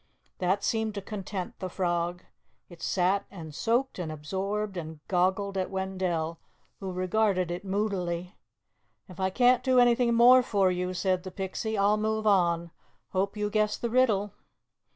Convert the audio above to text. That seemed to content the frog. It sat and soaked and absorbed and goggled at Wendell, who regarded it moodily. "If I can't do anything more for you," said the Pixie, "I'll move on. Hope you guess the riddle."